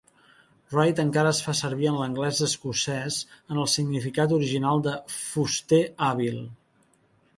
"Wright" encara es fa sevir en l'anglès escocès en el significat original de "fuster hàbil".